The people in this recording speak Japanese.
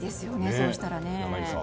そうしたらね。